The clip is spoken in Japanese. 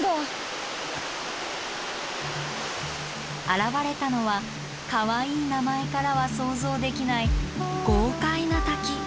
現れたのはかわいい名前からは想像できない豪快な滝。